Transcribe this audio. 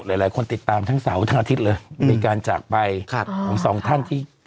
หลายคนติดตามทั้งเสาร์ทั้งอาทิตย์เลยมีการจากไปของสองท่านที่